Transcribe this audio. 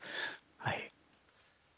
はい。